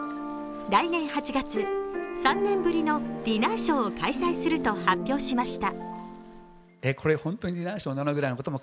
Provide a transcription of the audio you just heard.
来年８月、３年ぶりのディナーショーを開催すると発表しました。